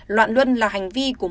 loạn luân là hành vi của một đối tượng